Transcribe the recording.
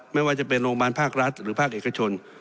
ไม่ว่าจะเป็นโรงพยาบาลภาครัฐหรือภาคเอกชน